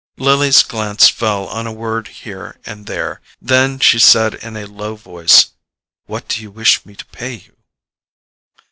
Lily's glance fell on a word here and there—then she said in a low voice: "What do you wish me to pay you?"